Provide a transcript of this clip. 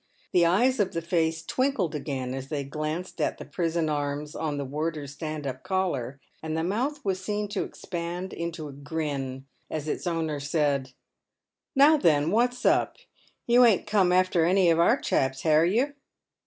The eyes of the face twinkled again as they glanced at the prison arms on the warder's stand up collar, and the mouth was seen to expand into a grin as its owner said :" Now then, what's up ? You a'n't come after any of our chaps, hare you